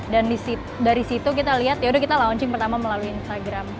dan dari situ kita lihat yaudah kita launching pertama melalui instagram